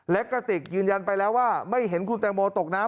และกระติกยืนยันไปแล้วว่าไม่เห็นคุณแตงโมตกน้ำ